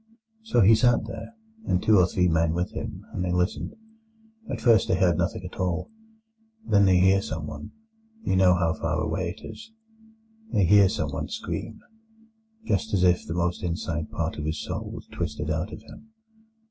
"So he sat there, and two or three men with him, and they listened. At first they hear nothing at all; then they hear someone—you know how far away it is—they hear someone scream, just as if the most inside part of his soul was twisted out of him.